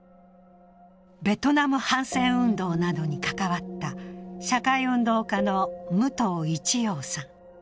ベトナム反戦運動などに関わった社会運動家の武藤一羊さん。